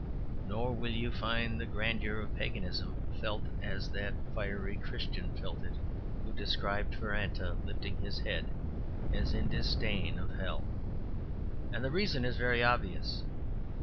Nor will you find the grandeur of paganism felt as that fiery Christian felt it who described Faranata lifting his head as in disdain of hell. And the reason is very obvious.